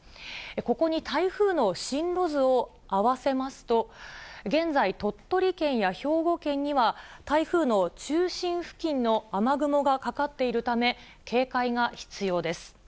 ここに台風の進路図を合わせますと、現在、鳥取県や兵庫県には、台風の中心付近の雨雲がかかっているため、警戒が必要です。